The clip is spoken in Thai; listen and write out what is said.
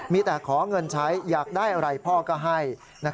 มีแต่ขอเงินใช้อยากได้อะไรพ่อก็ให้